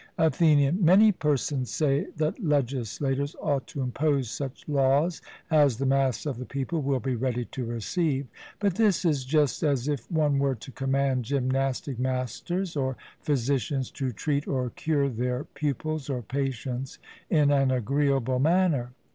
ATHENIAN: Many persons say that legislators ought to impose such laws as the mass of the people will be ready to receive; but this is just as if one were to command gymnastic masters or physicians to treat or cure their pupils or patients in an agreeable manner.